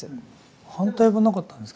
反対はなかったんですか？